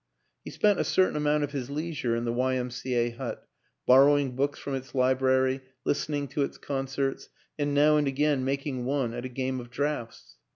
He spent a certain amount of his leisure in the Y. M. C. A. hut; borrowing books from its li brary, listening to its concerts, and now and again making one at a game of draughts.